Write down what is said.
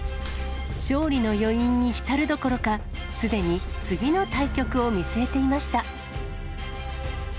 勝利の余韻に浸るどころか、すでに次の対局を見据えていました。